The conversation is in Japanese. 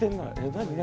何？